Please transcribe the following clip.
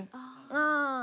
ああ！